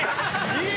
いい！